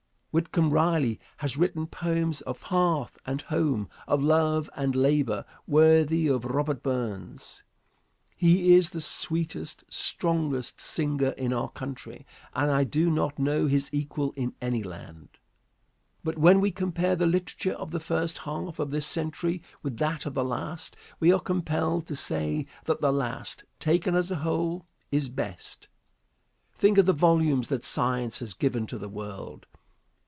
Whitcomb Riley has written poems of hearth and home, of love and labor worthy of Robert Burns. He is the sweetest, strongest singer in our country and I do not know his equal in any land. But when we compare the literature of the first half of this century with that of the last, we are compelled to say that the last, taken as a whole, is best. Think of the volumes that science has given to the world.